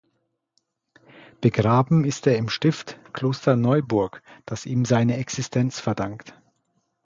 Begraben ist er im Stift Klosterneuburg, das ihm seine Existenz verdankt.